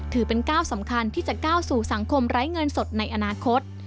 ถือเป็นก้าวสำคัญที่จะก้าวสู่สังคมไร้เงินสดในอนาคต